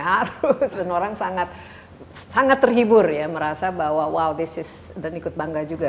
harus dan orang sangat terhibur ya merasa bahwa wow this is dan ikut bangga juga